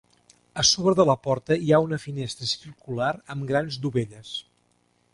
A sobre de la porta hi ha una finestra circular amb grans dovelles.